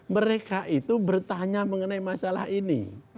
mereka itu bertanya mengenai masalah ini